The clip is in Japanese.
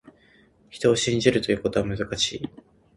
人を信じるということは、難しい。